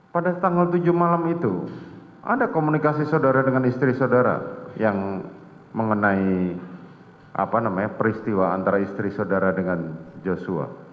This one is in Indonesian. pada tanggal tujuh malam itu ada komunikasi saudara dengan istri saudara yang mengenai peristiwa antara istri saudara dengan joshua